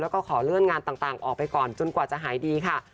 แล้วก็ขอเลื่อนงานต่างออกไปก่อนจนกว่าจะหายดีค่ะ